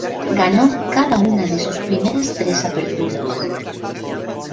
Ganó cada una de sus primeras tres aperturas.